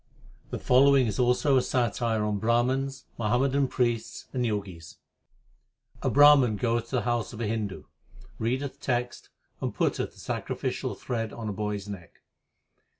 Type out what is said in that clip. The following is also a satire on Brahmans, Muhammadan priests, and Jogis: A Brahman goeth to the house of a Hindu, Readeth texts, and putteth the sacrificial thread on a boy s neck.